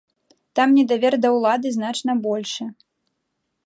Там недавер да ўлады значна большы.